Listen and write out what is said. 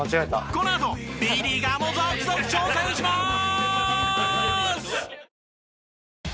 このあとＢリーガーも続々挑戦します！